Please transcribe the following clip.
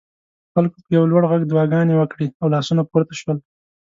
خلکو په یو لوړ غږ دعاګانې وکړې او لاسونه پورته شول.